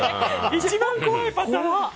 一番怖いパターン。